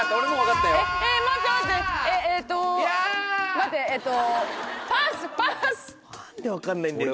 何で分かんないんだよ。